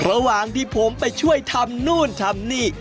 ระหว่างที่ผมไปช่วยทำนู่นทำนี่